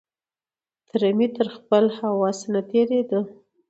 تره مې تر خپل هوس نه تېرېدو.